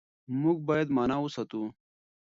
موږ بايد مانا وساتو.